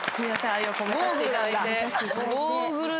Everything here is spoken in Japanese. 愛を込めさせていただいて。